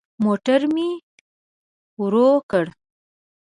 موټر مي ورو کړ .